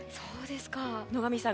野上さん